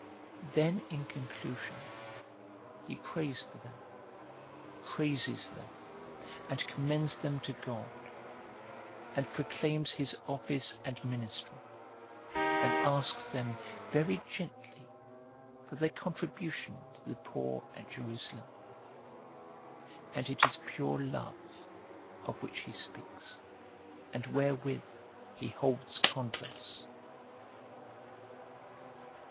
Then in conclusion he prays for them, praises them, and commends them to God, and proclaims his office and ministry, and asks them very gently for their contribution to the poor at Jerusalem ; and it is pure love, of which he speaks, and wherewith he holds converse.